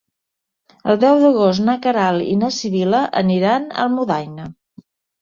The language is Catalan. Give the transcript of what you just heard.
El deu d'agost na Queralt i na Sibil·la aniran a Almudaina.